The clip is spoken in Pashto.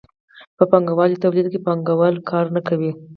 په پانګوالي تولید کې پانګوال کار نه کوي.